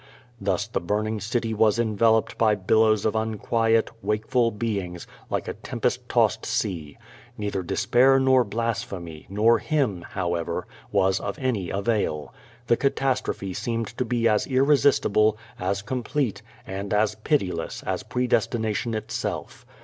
'* Thus the burning city was Enveloped by billows of unquiet, wakeful beings, like a tempest tossed sea. Neither despair nor blasphemy, nor hymn, however, was of any avail. The catastrophe seemed to be as irresistible, as complete, and as pitiless as predestination itself.